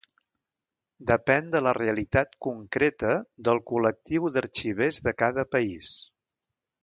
Depèn de la realitat concreta del col·lectiu d'arxivers de cada país.